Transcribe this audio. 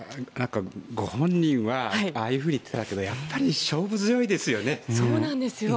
ご本人はああいうふうに言ってたけどやっぱり勝負強いですよね。